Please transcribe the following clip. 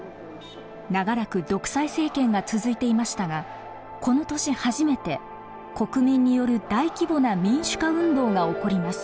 長らく独裁政権が続いていましたがこの年初めて国民による大規模な民主化運動が起こります。